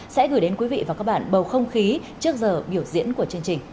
sẽ gửi đến quý vị và các bạn bầu không khí trước giờ biểu diễn của chương trình